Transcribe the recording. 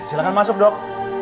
silahkan masuk dok